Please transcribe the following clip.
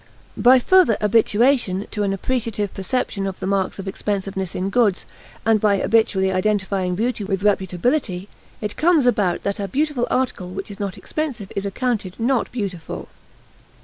By further habituation to an appreciative perception of the marks of expensiveness in goods, and by habitually identifying beauty with reputability, it comes about that a beautiful article which is not expensive is accounted not beautiful.